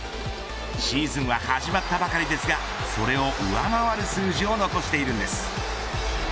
シーズンは始まったばかりですがそれを上回る数字を残しているんです。